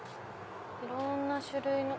いろんな種類の。